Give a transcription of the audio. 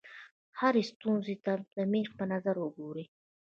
هرې ستونزې ته د مېخ په نظر وګورئ.